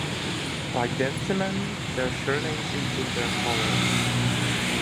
Like Denziman, their surnames include their color.